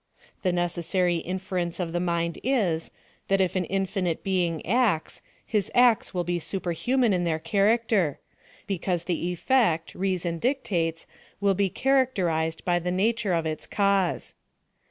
The necessary inference of the mind is, that if an In finite Being acts, his acts will be superhuman in their character ; because the effect, reason dictates, will be characterized by the nature of its cause.